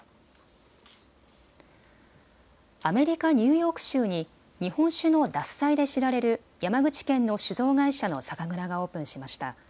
アメリカ・ニューヨーク州に日本酒の獺祭で知られる山口県の酒造会社の酒蔵がオープンしました。